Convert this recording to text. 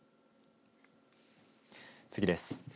次です。